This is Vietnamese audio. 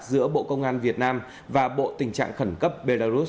giữa bộ công an việt nam và bộ tình trạng khẩn cấp belarus